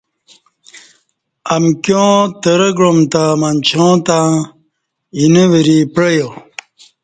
امکیاں تروں گعام تہ منچاں تہ اینہ وری پعیا۔